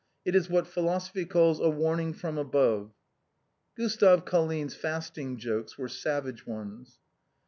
It is what philosophy calls a warning from above." Gustave Colline's fasting jokes were savage ones.